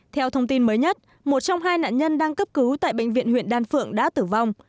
theo thông tin mới nhất một trong hai nạn nhân đang cấp cứu tại bệnh viện huyện đan phượng đã tử vong